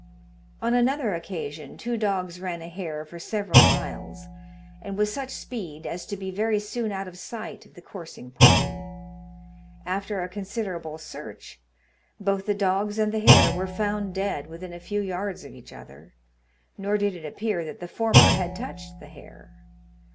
On another occasion, two dogs ran a hare for several miles, and with such speed as to be very soon out of sight of the coursing party. After a considerable search, both the dogs and the hare were found dead within a few yards of each other; nor did it appear that the former had touched the hare.